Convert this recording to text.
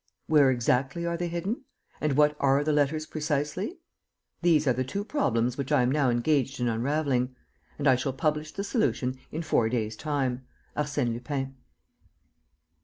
"Where exactly are they hidden? And what are the letters precisely? These are the two problems which I am now engaged in unravelling; and I shall publish the solution in four days' time. "ARSÈNE LUPIN."